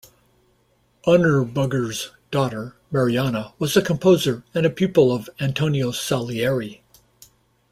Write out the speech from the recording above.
Auenrbugger's daughter, Marianna, was a composer and pupil of Antonio Salieri.